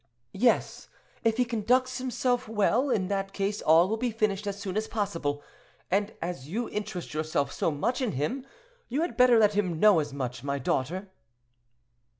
"Yes, if he conducts himself well; in that case all will be finished as soon as possible, and, as you interest yourself so much in him, you had better let him know as much, my daughter."